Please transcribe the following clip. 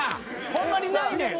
ほんまにないねん！